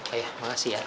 ayah makasih ya